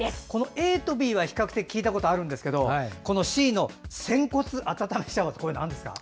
ＡとＢは比較的聞いたことありますがＣの仙骨温めシャワーってなんですか？